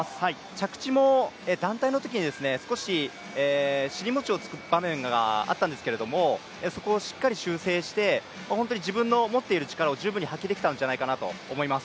着地も団体のときに、少し尻もちをつく場面があったんですけどそこをしっかり修正して、自分の持っている力を十分発揮できたんじゃないかなと思います。